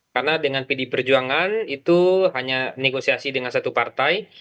karena dengan pdi perjuangan itu hanya negosiasi dengan satu partai